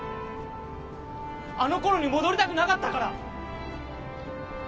あの頃に戻りたくなかったから。